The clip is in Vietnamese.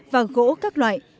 và gỗ các loại